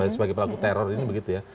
sebagai pelaku teror ini begitu ya